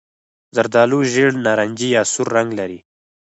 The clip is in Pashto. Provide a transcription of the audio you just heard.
زردالو ژېړ نارنجي یا سور رنګ لري.